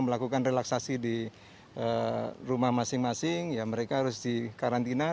melakukan relaksasi di rumah masing masing ya mereka harus dikarantina